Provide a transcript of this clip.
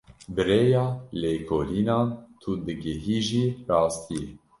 Bi rêya lêkolînan tu digihîjî rastiyê.